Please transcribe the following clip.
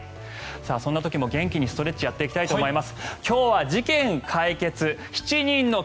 そんな時も元気にストレッチをやっていきたいと思います。